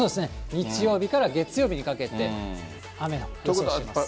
日曜日から月曜日にかけて、雨を予想します。